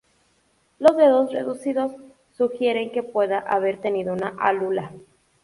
Los dedos reducidos sugieren que puede haber tenido una alula.